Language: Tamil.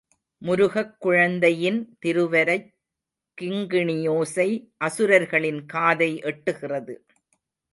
முருகக் குழந்தையின் திருவரைக் கிங்கிணியோசை அசுரர்களின் காதை எட்டுகிறது.